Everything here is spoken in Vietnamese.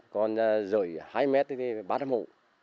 còn rời hai mét thì ba trăm hồ